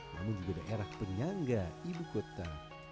namun juga daerah penyangga ibu kota